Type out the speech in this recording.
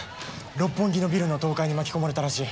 六本木のビルの倒壊に巻き込まれたらしい。